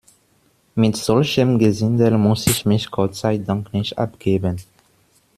Mit solchem Gesindel muss ich mich Gott sei Dank nicht abgeben.